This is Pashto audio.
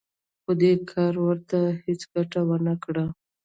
خو دې کار ورته هېڅ ګټه ونه کړه